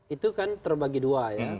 itu kan terbagi dua